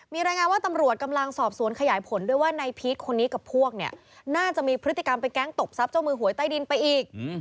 มีรายงานว่าตำรวจกำลังสอบสวนขยายผลด้วยว่านายพีชคนนี้กับพวกเนี่ยน่าจะมีพฤติกรรมไปแก๊งตบทรัพย์เจ้ามือหวยใต้ดินไปอีก